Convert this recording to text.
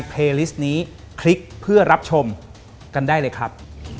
โปรดติดตามตอนต่อไป